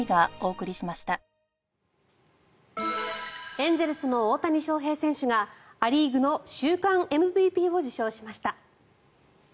エンゼルスの大谷翔平選手がア・リーグの週間ＭＶＰを受賞しました。